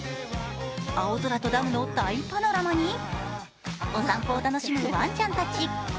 青空とダムの大パノラマにお散歩を楽しむワンちゃんたち。